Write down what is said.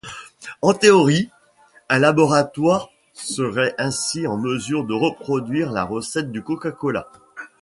En théorie, un laboratoire serait ainsi en mesure de reproduire la recette du Coca-Cola.